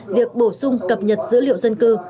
việc bổ sung cập nhật dữ liệu dân cư